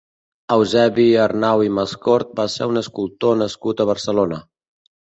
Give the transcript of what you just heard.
Eusebi Arnau i Mascort va ser un escultor nascut a Barcelona.